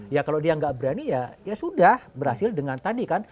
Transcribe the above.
ya kalau dia nggak berani ya ya sudah berhasil dengan tadi kan